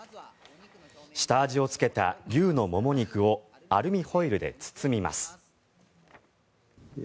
下味をつけた牛のもも肉をアルミホイルで包みます。